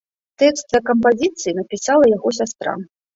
Тэкст да кампазіцыі напісала яго сястра.